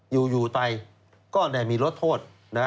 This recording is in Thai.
อยู่ไปก็ได้มีลดโทษ